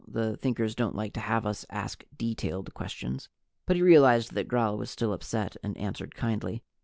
The Thinkers don't like to have us ask detailed questions. But he realized that Gral was still upset, and answered kindly.